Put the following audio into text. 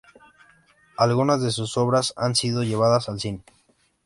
Algunas de sus obras han sido llevadas al cine.